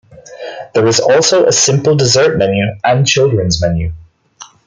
There is also a simple dessert menu and children's menu.